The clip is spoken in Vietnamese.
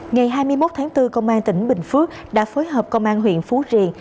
ngày hai mươi một tháng bốn công an tỉnh bình phước đã phối hợp công an huyện phú riềng